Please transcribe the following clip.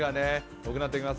多くなってきます。